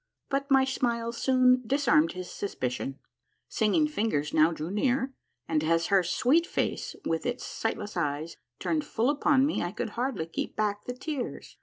But my smile soon disarmed his suspicion. Singing Fingers now drew near, and as her sweet face with its sightless eyes turned full upon me I could hardly keep back the tears.